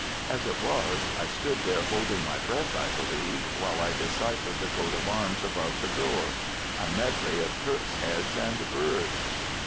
As it was, I stood there holding my breath, I believe, while I deciphered the coat of arms above the door—a medley of Turks' heads and birds.